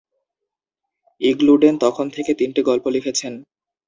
ইগ্লুডেন তখন থেকে তিনটি গল্প লিখেছেন।